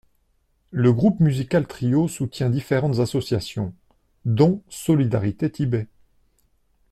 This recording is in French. Le groupe musical Tryo soutient différentes associations, dont Solidarité Tibet.